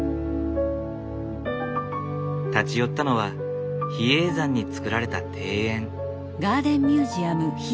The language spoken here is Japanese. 立ち寄ったのは比叡山に造られた庭園。